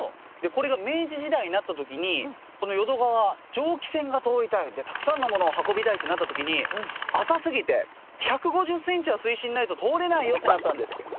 これが明治時代になった時にこの淀川蒸気船が通りたいたくさんのものを運びたいってなった時に浅すぎて１５０ｃｍは水深ないと通れないよってなったんです。